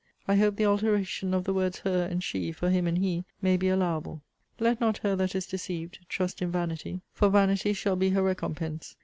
I hope the alteration of the words her and she, for him and he, may be allowable. 'Let not her that is deceived trust in vanity; for vanity shall be her recompense.